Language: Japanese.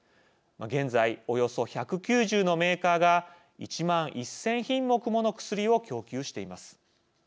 現在、およそ１９０のメーカーが１万１０００品目もの薬を供給しています。